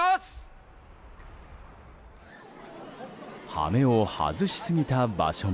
羽目を外しすぎた場所も。